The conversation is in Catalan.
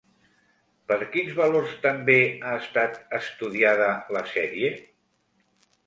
Per quins valors també ha estat estudiada la sèrie?